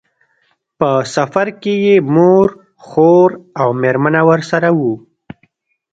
په سفر کې یې مور، خور او مېرمنه ورسره وو.